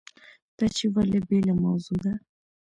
دا چې ولې بېله موضوع ده.